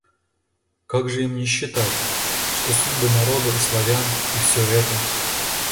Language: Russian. Как же им не считать, что судьбы народа и Славян... и всё это?